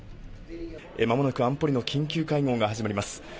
まもなく安保理の緊急会合が始まります。